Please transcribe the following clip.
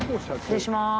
失礼します。